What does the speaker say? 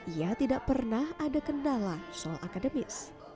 ia tidak pernah ada kendala soal akademis